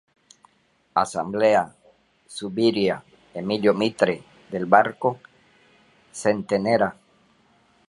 Asamblea, Zuviría, Emilio Mitre, Del Barco Centenera.